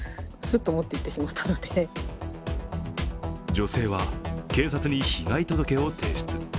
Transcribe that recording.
女性は警察に被害届を提出。